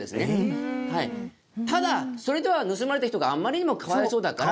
ただそれでは盗まれた人があまりにもかわいそうだから。